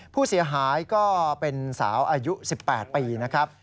ผู้เสียหายก็เป็นสาวอายุ๑๘ปีนะครับ